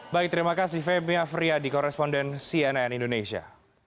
baik terima kasih femya fria di koresponden cnn indonesia